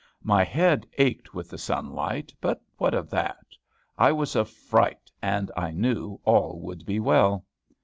My head ached with the sunlight, but what of that? I was a fright, and I knew all would be well.